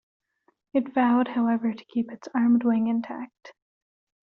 It vowed, however, to keep its armed wing intact.